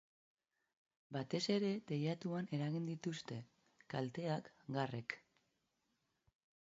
Batez ere teilatuan eragin dituzte kalteak garrek.